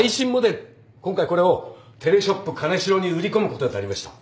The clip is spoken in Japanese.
今回これを『テレショップ金城』に売り込むことになりました。